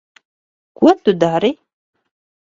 Ko tu dari?